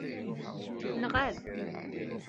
Nɣab.